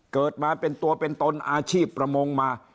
เกิดมาเป็นตัวเป็นตนอาชีพประมงมา